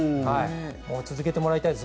続けてもらいたいです。